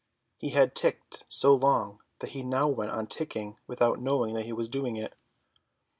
He had ticked so long that he now went on ticking without knowing that he was doing it.